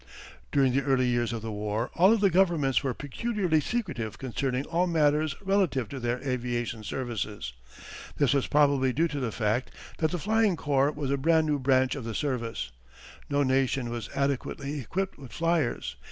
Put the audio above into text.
During the early years of the war all of the governments were peculiarly secretive concerning all matters relative to their aviation services. This was probably due to the fact that the flying corps was a brand new branch of the service. No nation was adequately equipped with flyers.